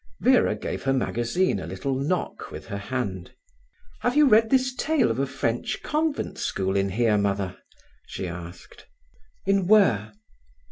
Vera gave her magazine a little knock with her hand. "Have you read this tale of a French convent school in here, Mother?" she asked. "In where?"